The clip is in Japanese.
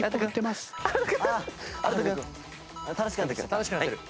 楽しくなってる。